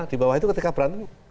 di bawah itu ketika berantem